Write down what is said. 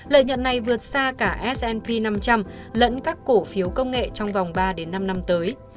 lợi nhuận này vượt xa cả s p năm trăm linh lẫn các cổ phiếu công nghệ trong vòng ba năm năm tới